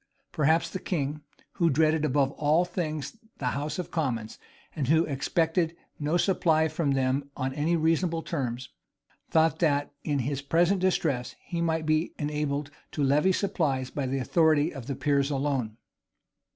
Perhaps the king, who dreaded above all things the house of commons, and who expected no supply from them on any reasonable terms, thought that, in his present distresses, he might be enabled to levy supplies by the authority of the peers alone.